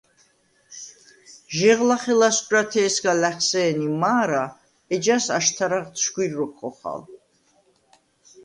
ჟეღ ლახე ლასგვარათე̄სგა ლა̈ხსე̄ნი მა̄რა, ეჯას აშთარაღდ შგვირ როქვ ხოხალ.